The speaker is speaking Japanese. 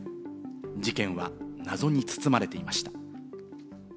事件は謎に包まれていました。